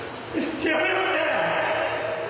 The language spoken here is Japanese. ややめろって！